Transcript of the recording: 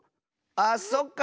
あっそっか！